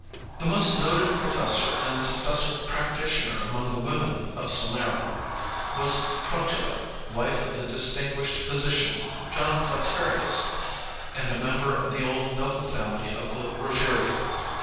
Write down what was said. " The most noted professor and successful practitioner among the women of Salerno was Trotula, wife of the distinguished physician, John Platearius, and a member of the old noble family of the Ruggiero.